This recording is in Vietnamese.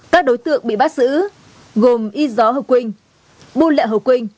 các đối tượng bị bắt giữ gồm y gió hồ quỳnh bùn lẹ hồ quỳnh